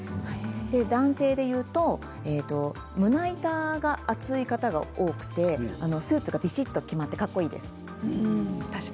男性でいうと胸板が厚い方が多くてスーツが、びしっと決まってかっこいいです。